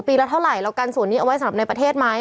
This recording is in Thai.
ละเท่าไหร่เรากันส่วนนี้เอาไว้สำหรับในประเทศไหม